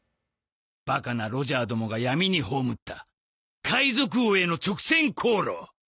バカなロジャーどもが闇に葬った海賊王への直線航路。